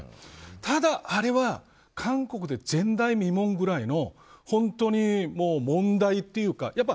ただあれは韓国で前代未聞ぐらいの本当に問題というか。